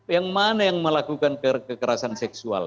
yang mana yang melakukan kekerasan seksual